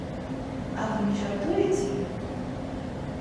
А вы не жартуеце?